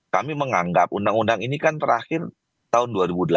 kami menganggap undang undang ini kan terakhir tahun dua ribu delapan